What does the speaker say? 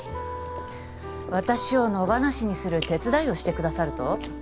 私を野放しにする手伝いをしてくださると？